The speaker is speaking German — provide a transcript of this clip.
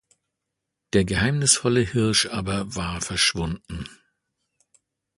Der geheimnisvolle Hirsch aber war verschwunden.